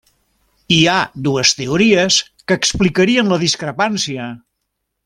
Hi ha dues teories que explicarien la discrepància.